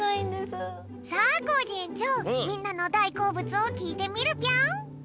さあコージえんちょうみんなのだいこうぶつをきいてみるぴょん！